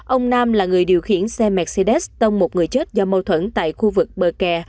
ông nam là người điều khiển xe mercedes tông một người chết do mâu thuẫn tại khu vực bờ kè